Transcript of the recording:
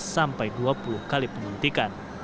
sampai dua puluh kali penyuntikan